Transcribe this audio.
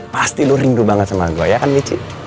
pasti lu rindu banget sama gua ya kan nih ci